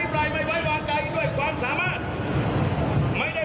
รัฐสภาที่ต้องวัดกันดีกันรวมด้วย